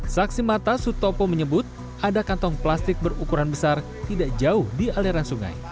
saksi mata sutopo menyebut ada kantong plastik berukuran besar tidak jauh di aliran sungai